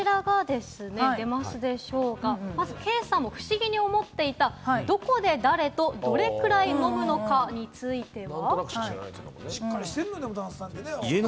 まず、ケイさんも不思議に思っていた、どこで誰とどれくらい飲むのかについては。